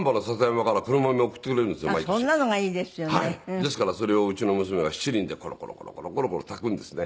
ですからそれをうちの娘が七輪でコロコロコロコロコロコロ炊くんですね。